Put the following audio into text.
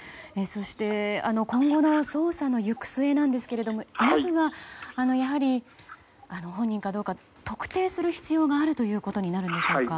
そして今後の捜査の行く末ですがまずは、やはり本人かどうか特定する必要があるということでしょうか。